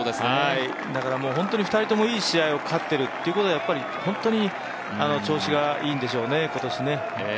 だからもう本当に２人ともいい試合を勝っているということで、本当に今年、調子がいいんでしょうね。